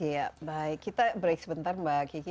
ya baik kita break sebentar mbak kiki